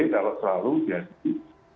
kalau selalu jadi